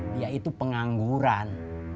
dia itu pengangguran